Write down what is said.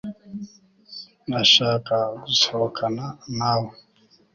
ashaka gusohokana nawe